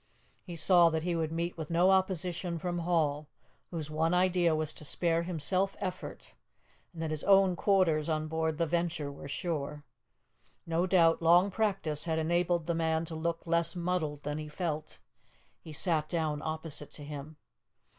He saw that he would meet with no opposition from Hall, whose one idea was to spare himself effort, and that his own quarters on board the Venture were sure. No doubt long practice had enabled the man to look less muddled than he felt. He sat down opposite to him.